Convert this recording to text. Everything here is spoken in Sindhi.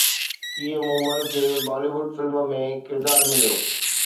ڪيئن مومل کي بالي ووڊ فلم ۾ ڪردار مليو